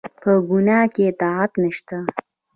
په ګناه کې اطاعت نشته